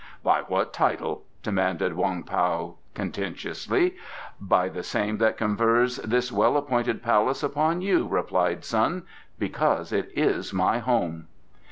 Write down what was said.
"By what title?" demanded Wong Pao contentiously. "By the same that confers this well appointed palace upon you," replied Sun: "because it is my home."